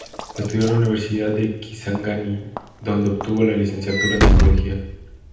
Estudió en la Universidad de Kisangani, donde obtuvo la licenciatura en Psicología.